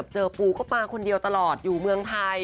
ปูก็มาคนเดียวตลอดอยู่เมืองไทย